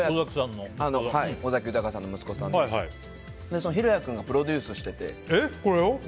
尾崎豊さんの息子さんのその裕哉君がプロデュースしてて。